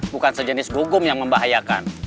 bukan sejenis hukum yang membahayakan